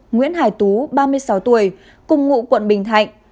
nguyễn hải tú ba mươi sáu tuổi cùng ngụ quận bình thạnh